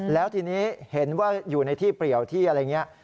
แล้วทีนี้เห็นว่าอยู่ในที่เปรียวที่อะไรอย่างนี้